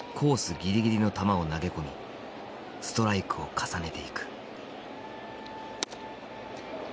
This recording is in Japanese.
ぎりぎりの球を投げ込みストライクを重ねていく。